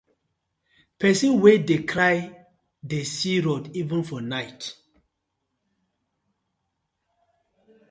Pesin wey dey cry dey see road even for night.